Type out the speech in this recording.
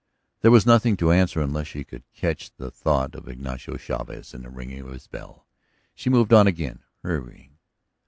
There was nothing to answer unless she could catch the thought of Ignacio Chavez in the ringing of his bell. She moved on again, hurrying.